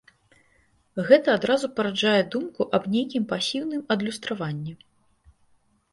Гэта адразу параджае думку аб нейкім пасіўным адлюстраванні.